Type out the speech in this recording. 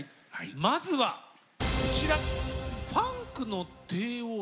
まずはこちら。